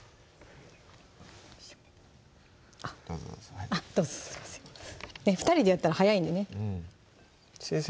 どうぞどうぞあっすいません２人でやったら早いんでねうん先生